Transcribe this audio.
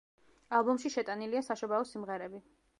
ალბომში შეტანილია საშობაო სიმღერები.